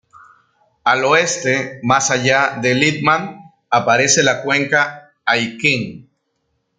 Al oeste, más allá de Lippmann, aparece la Cuenca Aitken.